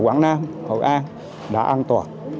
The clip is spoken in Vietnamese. quảng nam hội an đã an toàn